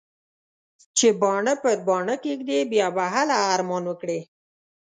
چې باڼه پر باڼه کېږدې؛ بيا به هله ارمان وکړې.